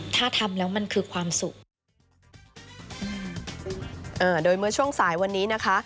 ถ้าทำแล้วมันคือความสุข